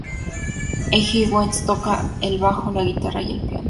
Eiji Wentz toca el bajo, la guitarra y el piano.